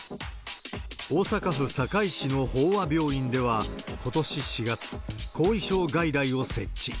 大阪府堺市の邦和病院では、ことし４月、後遺症外来を設置。